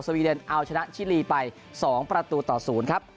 วีเดนเอาชนะชิลีไป๒ประตูต่อ๐ครับ